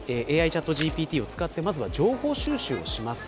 対話型ＡＩ、チャットＧＰＴを使って、情報収集をします。